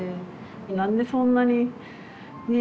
何でそんなにねえ